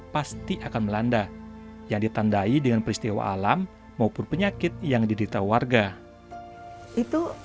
pasti akan melanda yang ditandai dengan peristiwa alam maupun penyakit yang diderita warga itu